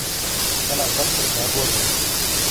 الا زش بِلو دا گوزیڑے